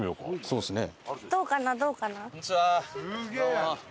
そうですね。